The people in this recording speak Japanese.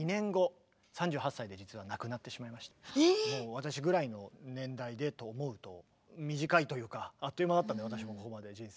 もう私ぐらいの年代でと思うと短いというかあっという間だったんで私もここまで人生。